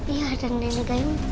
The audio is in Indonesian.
iya ada nenek gayung